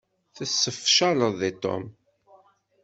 Tessefcaleḍ deg Tom.